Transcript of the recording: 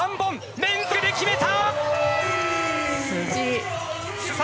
連続で決めた！